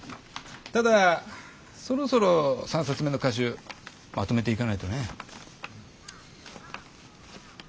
ただそろそろ３冊目の歌集まとめていかないとね。